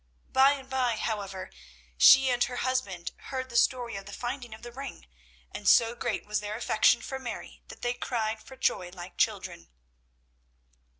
By and by, however, she and her husband heard the story of the finding of the ring, and so great was their affection for Mary that they cried for joy like children.